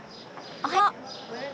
おはよう！